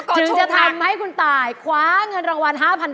จึงจะทำให้คุณตายคว้าเงินรางวัล๕๐๐๐บาท